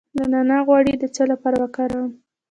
د نعناع غوړي د څه لپاره وکاروم؟